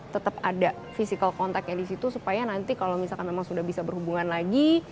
tetap ada physical contactnya di situ supaya nanti kalau misalkan memang sudah bisa berhubungan lagi